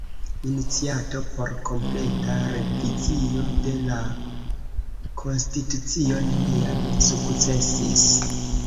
Iniciato por kompleta revizio de la konstitucio neniam sukcesis.